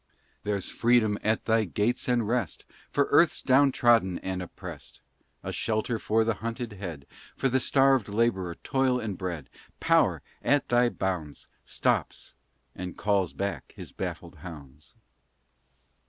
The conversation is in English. There's freedom at thy gates and rest For earth's down trodden and opprest, A shelter for the hunted head, For the starved laborer toil and bread. Power, at thy bounds, Stops and calls back his baffled hounds.